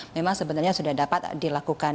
memang sebenarnya sudah dapat dilakukan